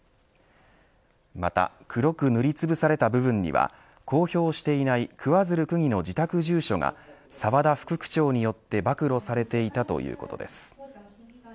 また黒く塗りつぶされた部分には公表していない桑水流区議の自宅住所が澤田副区長によって暴露されていたということです。